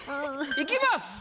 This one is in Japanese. いきます。